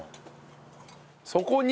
そこに。